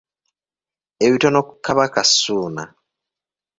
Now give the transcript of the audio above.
Ebitono ku Kabaka Ssuuna.